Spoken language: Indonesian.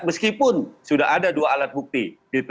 meskipun sudah ada dua alat bukti